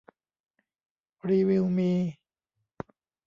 รีวิวมี